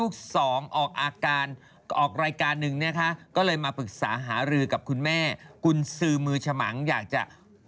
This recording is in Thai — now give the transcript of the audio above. ก็อยากมาปรึกษาหารือกับคุณแม่กุญสือมือฉมังอยากจะ